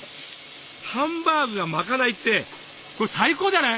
ハンバーグがまかないってこれ最高じゃない。